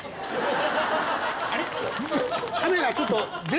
あれ？